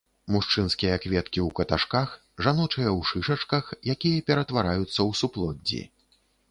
Мужчынскія кветкі ў каташках, жаночыя ў шышачках, якія ператвараюцца ў суплоддзі.